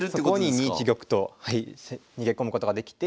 ２一玉と逃げ込むことができて。